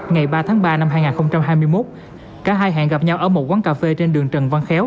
ngày ba tháng ba năm hai nghìn hai mươi một cả hai hẹn gặp nhau ở một quán cà phê trên đường trần văn khéo